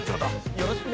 よろしくね！